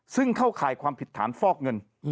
ซึ่งเข้าข่ายความผิดฐานฟอกเงิน